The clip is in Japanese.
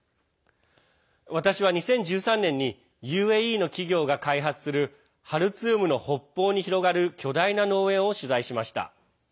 私は２０１３年にＵＡＥの企業が開発するハルツームの北方に広がる巨大な農園を取材しました。